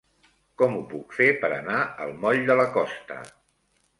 Com ho puc fer per anar al moll de la Costa?